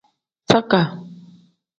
Zakaa.